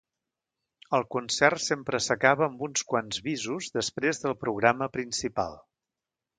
El concert sempre s'acaba amb uns quants bisos després del programa principal.